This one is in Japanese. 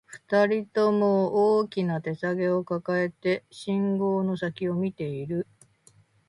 二人とも、大きな手提げを抱えて、信号の先を見ている